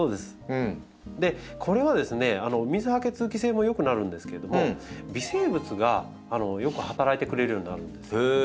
これはですね水はけ通気性も良くなるんですけれども微生物がよく働いてくれるようになるんです。